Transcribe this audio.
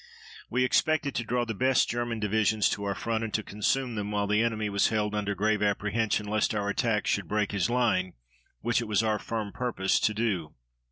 We expected to draw the best German divisions to our front and to consume them while the enemy was held under grave apprehension lest our attack should break his line, which it was our firm purpose to do.